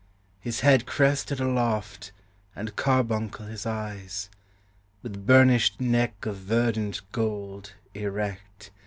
his head Crested aloft, and carbuncle his eyes; With burnished neck of verdant gold, erect.